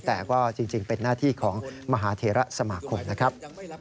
แต่ก็จริงเป็นหน้าที่ของมหาเทระสมาคมนะครับ